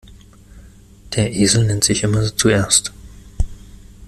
Der Esel nennt sich immer zuerst.